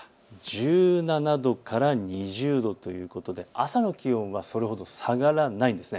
１７度から２０度ということで朝も気温はそれほど下がらないんです。